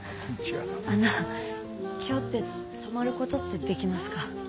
あの今日って泊まることってできますか？